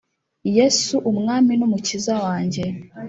yesu umwami nu umukiza wanjye